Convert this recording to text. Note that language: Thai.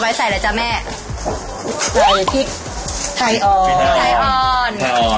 ใส่อะไรจ้ะแม่ใส่พริกไทยอ่อนพริกไทยอ่อน